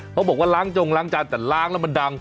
เขาบอกว่าล้างจงล้างจานแต่ล้างแล้วมันดัง